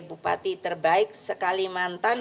bupati terbaik sekalimantan